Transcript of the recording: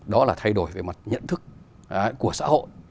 đó là thay đổi về mặt nhận thức của xã hội